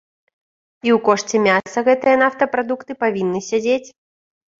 І ў кошце мяса гэтыя нафтапрадукты павінны сядзець.